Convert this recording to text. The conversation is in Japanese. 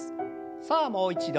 さあもう一度。